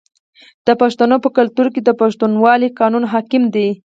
د پښتنو په کلتور کې د پښتونولۍ قانون حاکم دی.